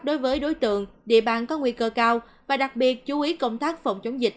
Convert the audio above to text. đối với đối tượng địa bàn có nguy cơ cao và đặc biệt chú ý công tác phòng chống dịch